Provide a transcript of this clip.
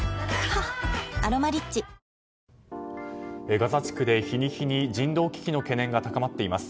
ガザ地区で日に日に人道危機の懸念が高まっています。